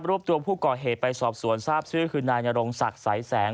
วบตัวผู้ก่อเหตุไปสอบสวนทราบชื่อคือนายนรงศักดิ์สายแสง